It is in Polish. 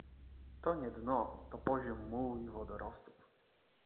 To nie dno. To poziom mułu i wodorostów.